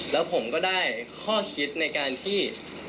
แล้วผมก็ได้ข้อคิดในการที่